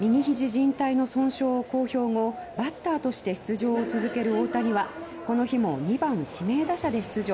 じん帯の損傷を公表後バッターとして出場を続ける大谷はこの日も２番指名打者で出場。